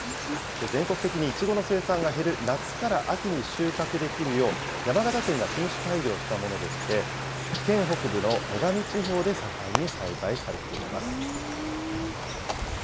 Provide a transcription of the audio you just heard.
全国的にいちごの生産が減る夏から秋に収穫できるよう、山形県が品種改良したものでして、県北部の最上地方で盛んに栽培されています。